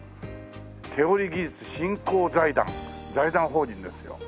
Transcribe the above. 「手織技術振興財団」財団法人ですよ。